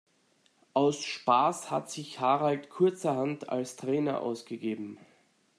Aus Spaß hat sich Harald kurzerhand als Trainer ausgegeben.